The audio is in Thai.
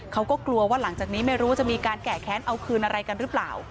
เขาก็กลัวว่าหลังจากนี้ไม่รู้จะมีการแก่แค้นเอาคืนอะไรกันหรือเปล่า